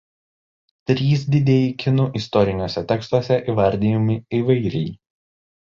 Trys didieji kinų istoriniuose tekstuose įvardijami įvairiai.